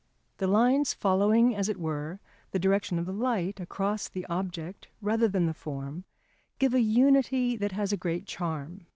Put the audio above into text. The lines following, as it were, the direction of the light across the object rather than the form, give a unity that has a great charm.